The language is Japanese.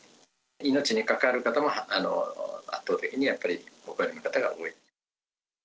命に関わる方も、圧倒的にやっぱりご高齢の方が多い。